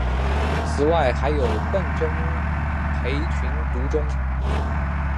此外还有笨珍培群独中。